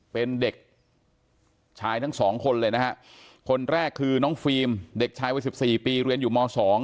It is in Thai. เป็นเด็กชายทั้งสองคนเลยนะฮะคนแรกคือน้องฟิล์มเด็กชายวัย๑๔ปีเรียนอยู่ม๒